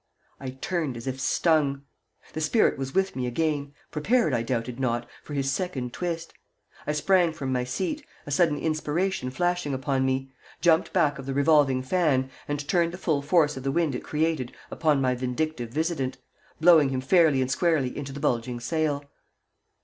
I turned as if stung. The spirit was with me again, prepared, I doubted not, for his second twist. I sprang from my seat, a sudden inspiration flashing upon me, jumped back of the revolving fan, and turning the full force of the wind it created upon my vindictive visitant, blew him fairly and squarely into the bulging sail.